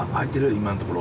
今のところ。